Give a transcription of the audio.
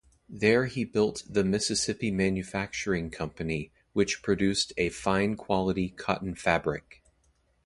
There he built the Mississippi Manufacturing Company which produced a fine quality cotton fabric.